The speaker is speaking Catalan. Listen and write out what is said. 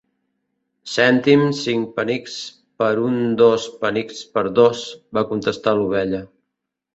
"Cèntim cinc penics per un-dos penics per dos", va contestar l'ovella.